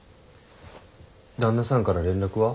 旦那さんから連絡は？